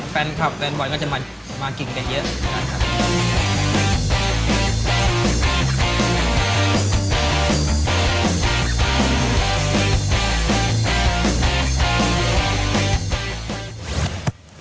แฟนครับแฟนบอลก็จะมากินกันเยอะ